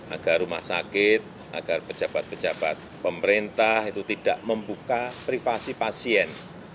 agar rumah sakit agar pejabat pejabat pemerintah itu tidak membuka privasi pasien